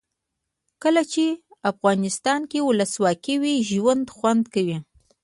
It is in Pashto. کله چې افغانستان کې ولسواکي وي ژوند خوند کوي.